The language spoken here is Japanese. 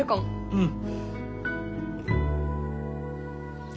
うん！